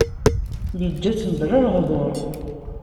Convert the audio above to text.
Yeǧǧa-tt mebla lehdur.